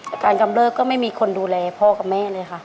อาการกำเริบก็ไม่มีคนดูแลพ่อกับแม่เลยค่ะ